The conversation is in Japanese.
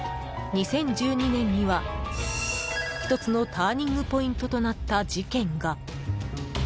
２０１２年には１つのターニングポイントとなった事件が。